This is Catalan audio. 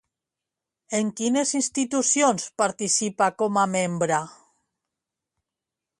En quines institucions participa com a membre?